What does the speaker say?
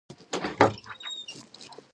هغې د نرم کوڅه په اړه خوږه موسکا هم وکړه.